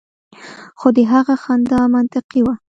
خو د هغه خندا منطقي وه